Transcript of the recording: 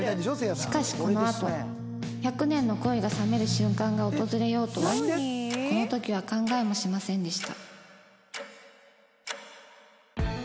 しかしこのあと１００年の恋が冷める瞬間が訪れようとはこの時は考えもしませんでした